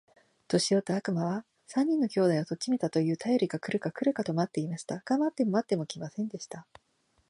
年よった悪魔は、三人の兄弟を取っちめたと言うたよりが来るか来るかと待っていました。が待っても待っても来ませんでした。